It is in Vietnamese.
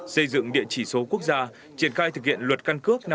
xây dựng địa chỉ số quốc gia triển khai thực hiện luật căn cước năm hai nghìn hai mươi